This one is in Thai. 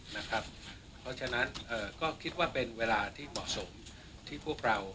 เพราะฉะนั้นก็คิดว่าเป็นเวลาที่เหมาะสมที่พวกเรา